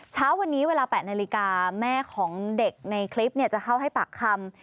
เช้าวันนี้เวลา๘นาฬิกาแม่ของเด็กในคลิปจะเข้าให้ปากคำ